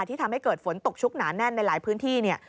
ที่ทำให้เกิดฝนตกชุกหนานแน่นในหลายพื้นที่